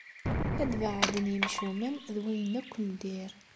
Ad beɛden yimcumen d wayen akk n dir.